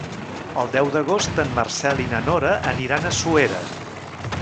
El deu d'agost en Marcel i na Nora aniran a Suera.